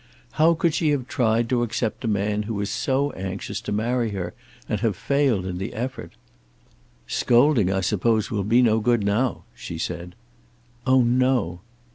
How could she have tried to accept a man who was so anxious to marry her, and have failed in the effort? "Scolding I suppose will be no good now," she said. "Oh no!"